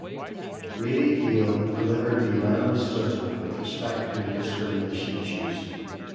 Lady Hale delivered the unanimous judgment with respect to the discrimination issues.